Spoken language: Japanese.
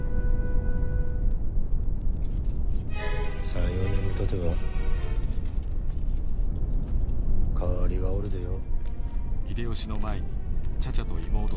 ３４年もたてば代わりがおるでよ。